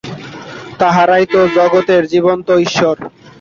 তাঁহারাই তো জগতের জীবন্ত ঈশ্বর।